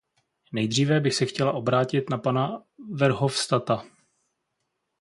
Nejdříve bych se chtěla obrátit na pana Verhofstadta.